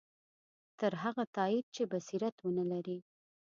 تر هغه تایید چې بصیرت ونه لري.